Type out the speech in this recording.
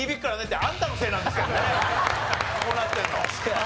こうなってるの。